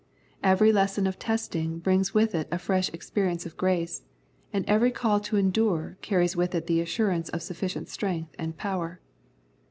Every lesson of testing brings with it a fresh ex perience of grace, and every call to endure carries with it the assurance of sufficient strength and power.